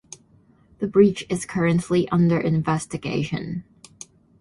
The breach is currently under investigation.